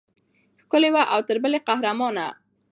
ښکلې وه او تر بلې قهرمانه.